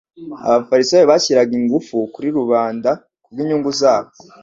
Abafarisayo bashyiraga ingufu kuri rubanda kubw'inyungu zabo.